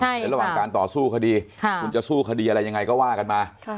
ในระหว่างการต่อสู้คดีคุณจะสู้คดีอะไรยังไงก็ว่ากันมา